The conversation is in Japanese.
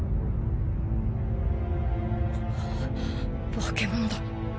化け物だ。